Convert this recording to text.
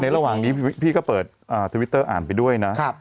ระหว่างนี้พี่ก็เปิดทวิตเตอร์อ่านไปด้วยนะ